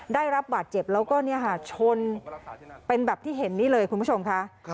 ได้รับบาดเจ็บแล้วก็ชนเป็นแบบที่เห็นนี่เลยคุณผู้ชมค่ะ